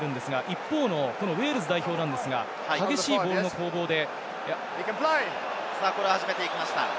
一方のウェールズ代表、激しいボールの攻防で。